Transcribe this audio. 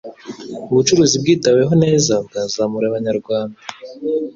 ubucuruzi bwitaweho neza bwazamura abanyarwanda